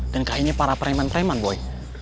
dan kayaknya para preman preman boy